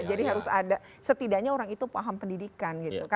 jadi harus ada setidaknya orang itu paham pendidikan gitu